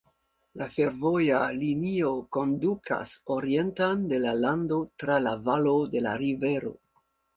La fervoja linio kondukas orienten de la lando tra la valo de la rivero.